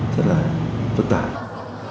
rất là phức tạp